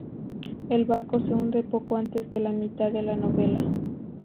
El barco se hunde poco antes de la mitad de la novela.